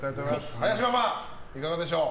林ママ、いかがでしょう？